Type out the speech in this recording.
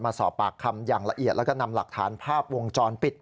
มาสอบปากคำอย่างละเอียดแล้วก็นำหลักฐานภาพวงจรปิด